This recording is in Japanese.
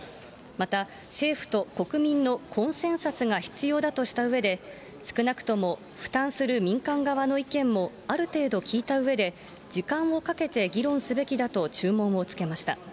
また、政府と国民のコンセンサスが必要だとしたうえで、少なくとも負担する民間側の意見もある程度聞いたうえで、時間をかけて議論すべきだと注文をつけました。